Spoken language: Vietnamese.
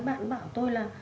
bạn bảo tôi là